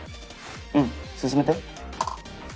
うん進めて。